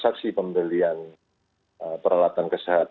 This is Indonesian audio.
kemudian dengan pt alam